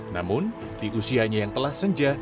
namun di usianya yang telah senja